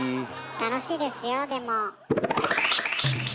楽しいですよでも。